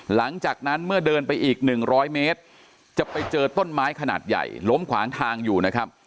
หลังจากนั้นเมื่อเดินไปอีก๑๐๐เมตรจะไปเจอต้นไม้ขนาดใหญ่ล้มขวางทางอยู่นะครับ